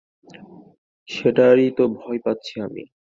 সেটারই তো ভয় পাচ্ছি আমি।